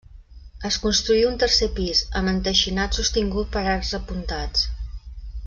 Es construí un tercer pis, amb enteixinat sostingut per arcs apuntats.